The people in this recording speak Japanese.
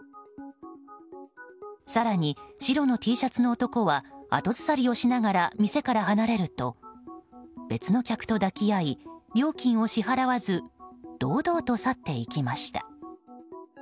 更に、白のＴシャツの男は後ずさりをしながら店から離れると別の客と抱き合い料金を支払わず堂々と去っていきました。